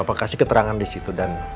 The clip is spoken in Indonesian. apa kasih keterangan di situ dan